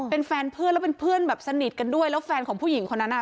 เป็นแฟนเพื่อนแล้วเป็นเพื่อนแบบสนิทกันด้วยแล้วแฟนของผู้หญิงคนนั้นอ่ะ